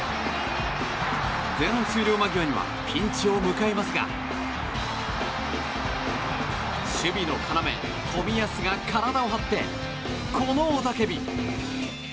前半終了間際にはピンチを迎えますが守備の要・冨安が体を張ってこの雄たけび！